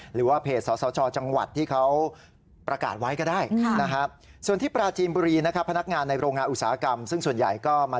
หรือว่าเพจอย่างเถอะ